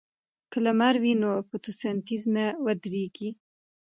که لمر وي نو فوتوسنتیز نه ودریږي.